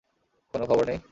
কোনো খবর নেই?